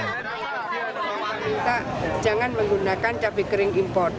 saya minta jangan menggunakan cabai kering import